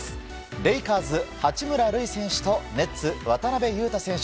レイカーズ、八村塁選手とネッツ、渡邊雄太選手。